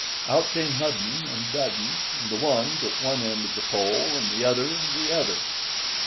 Out came Hudden and Dudden, and the one took one end of the pole, and the other the other.